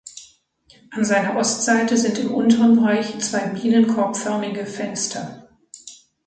An seiner Ostseite sind im unteren Bereich zwei bienenkorbförmige Fenster.